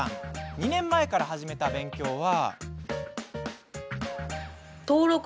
２年前から始めた勉強は。